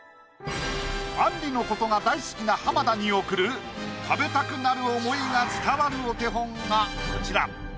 あんりのことが大好きな浜田に送る食べたくなる想いが伝わるお手本がこちら。